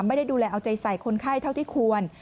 ไม่ได้ดูแลเอาใจใส่คนไข้เท่าที่ควร